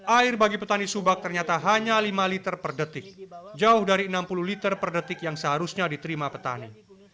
air bagi petani subak ternyata hanya lima liter per detik jauh dari enam puluh liter per detik yang seharusnya diterima petani